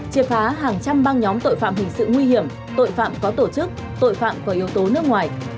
triệt phá hàng trăm băng nhóm tội phạm hình sự nguy hiểm tội phạm có tổ chức tội phạm có yếu tố nước ngoài